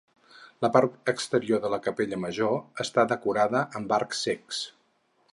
La part exterior de la capella major està decorada amb arcs cecs.